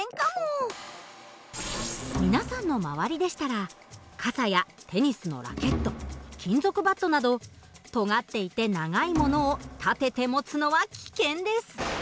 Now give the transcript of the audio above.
皆さんの周りでしたら傘やテニスのラケット金属バットなどとがっていて長いものを立てて持つのは危険です。